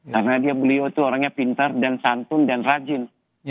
karena beliau itu orangnya pintar dan santun dan rajin